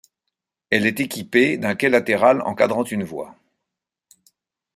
Elle est équipée d'un quai latéral encadrant une voie.